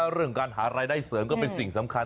เรื่องการหารายได้เสริมก็เป็นสิ่งสำคัญ